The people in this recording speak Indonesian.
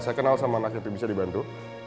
saya kenal sama anak itu bisa dibantu